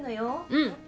うん。